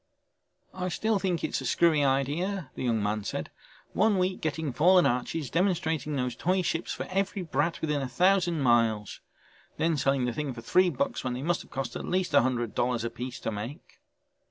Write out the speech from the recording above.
"I still think it's a screwy idea," the young man said. "One week getting fallen arches, demonstrating those toy ships for every brat within a thousand miles. Then selling the things for three bucks when they must have cost at least a hundred dollars apiece to make."